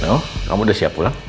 oh kamu udah siap pulang